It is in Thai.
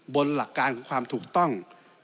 บนหลักการความถูกต้อง